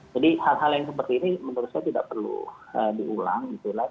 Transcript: jadi hal hal yang seperti ini menurut saya tidak perlu diulang